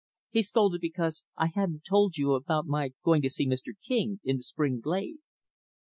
He scolded because I hadn't told you about my going to see Mr. King, in the spring glade."